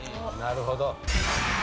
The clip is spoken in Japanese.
なるほど。